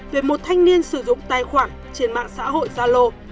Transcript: về một thanh niên sử dụng tài khoản trên mạng xã hội zalo